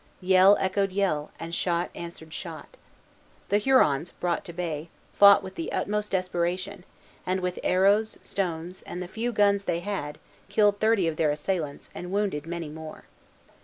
Yell echoed yell, and shot answered shot. The Hurons, brought to bay, fought with the utmost desperation, and with arrows, stones, and the few guns they had, killed thirty of their assailants, and wounded many more.